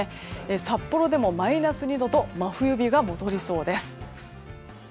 札幌でもマイナス２度と真冬日が戻りそうです。